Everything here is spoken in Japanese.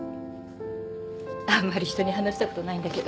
あんまり人に話したことないんだけど。